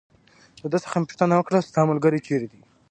د ده څخه مې پوښتنه وکړل: ستا ملګری چېرې دی؟